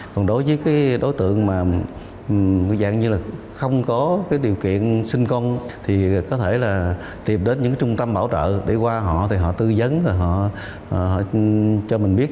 còn đối với cái đối tượng mà người dạng như là không có cái điều kiện sinh con thì có thể là tìm đến những trung tâm bảo trợ để qua họ thì họ tư dấn rồi họ cho mình biết